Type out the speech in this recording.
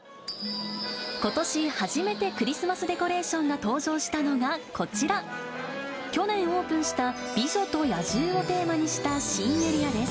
ことし初めてクリスマスデコレーションが登場したのがこちら、去年オープンした、美女と野獣をテーマにした新エリアです。